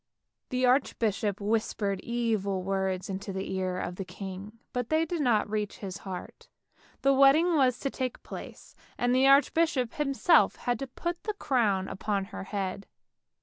The archbishop whispered evil words into the ear of the king, but they did not reach his heart. The wedding was to take place, and the archbishop himself had to put the crown upon her head.